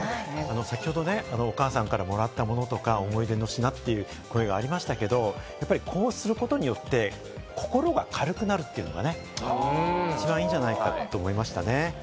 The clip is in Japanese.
お母さんからもらったものとか、思い出の品っていう声がありましたけど、こうすることによって心が軽くなるっていうのが一番いいんじゃないかなと思いましたね。